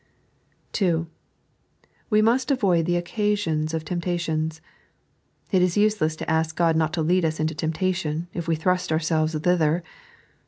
(2) We must ofimd the occasions of tempUUitms. It is tiselese to ask Ood not to lead us into temptation, if we thrust ourselves thither.